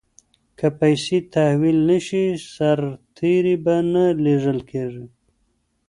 که پیسې تحویل نه شي سرتیري به نه لیږل کیږي.